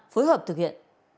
phối hợp được nhé